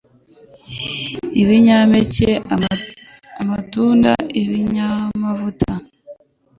Ibinyampeke, amatunda, ibi nyamavuta,